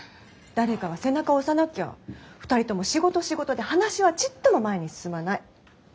誰かが背中を押さなきゃ２人とも仕事仕事で話はちっとも前に進まない。